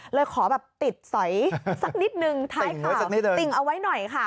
เลยขอแบบติดสอยสักนิดนึงท้ายข่าวติ่งเอาไว้หน่อยค่ะ